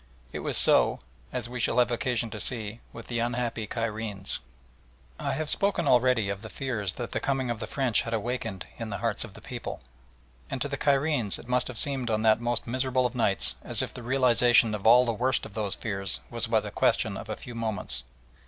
It was so, as we shall have occasion to see, with the unhappy Cairenes. I have spoken already of the fears that the coming of the French had awakened in the hearts of the people, and to the Cairenes it must have seemed on that most miserable of nights as if the realisation of all the worst of those fears was but the question of a few moments.